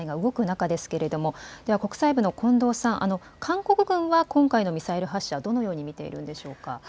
国際部の近藤さん、韓国軍は今回のミサイル発射どのように見ているんでしょうか。